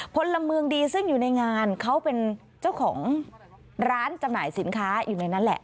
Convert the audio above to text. พลเมืองดีซึ่งอยู่ในงานเขาเป็นเจ้าของร้านจำหน่ายสินค้าอยู่ในนั้นแหละ